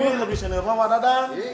tapi lebih sener mah padahal